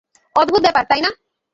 অদ্ভুত ব্যাপার, তাই না?